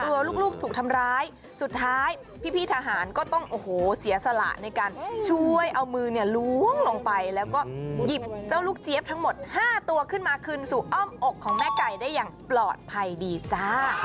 ลูกถูกทำร้ายสุดท้ายพี่ทหารก็ต้องโอ้โหเสียสละในการช่วยเอามือเนี่ยล้วงลงไปแล้วก็หยิบเจ้าลูกเจี๊ยบทั้งหมด๕ตัวขึ้นมาคืนสู่อ้อมอกของแม่ไก่ได้อย่างปลอดภัยดีจ้า